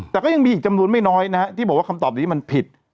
แต่ก็ยังมีอีกจำนวนไม่น้อยนะฮะที่บอกว่าคำตอบนี้มันผิด